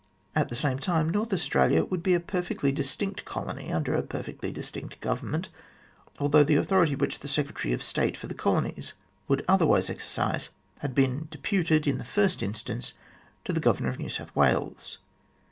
At the same time, North Australia would be a perfectly distinct colony, under a perfectly distinct government, although the authority which the Secretary of State for the Colonies would otherwise exercise, had been deputed, in the first instance, to the Governor of New South Wales.